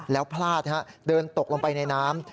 แล้วพลาดเดินตกลงไปในน้ำ